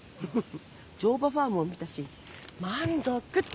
乗馬ファームも見たし満足って！